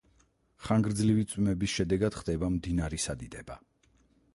ხანგრძლივი წვიმების შედეგად ხდება მდინარის ადიდება.